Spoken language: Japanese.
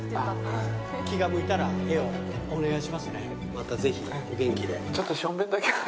またぜひお元気で。